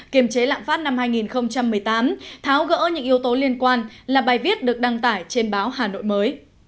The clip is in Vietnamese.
kiềm chế lạm phát năm hai nghìn một mươi tám tháo gỡ những yếu tố liên quan là bài viết được đăng tải trên báo hà nội mới